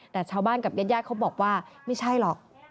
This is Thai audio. แต่ชาวบ้านกับญาติญาติเขาบอกว่าไม่ใช่หรอก